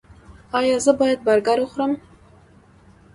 ایا زه باید برګر وخورم؟